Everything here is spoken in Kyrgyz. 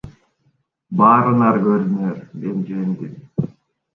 Баарыңар көрдүңөр, мен жеңдим.